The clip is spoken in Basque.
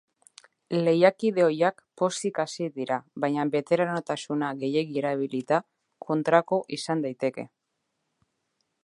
Lehiakide ohiak pozik hasi dira baina beteranotasuna gehiegi erabilita, kontrako izan daiteke.